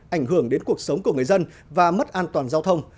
ảnh hưởng đến cuộc sống của người dân và mất an toàn giao thông